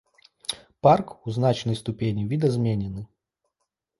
Парк у значнай ступені відазменены.